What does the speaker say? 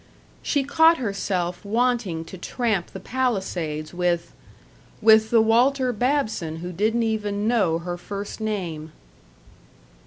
She caught herself wanting to tramp the Palisades with with the Walter Babson who didn't even know her first name.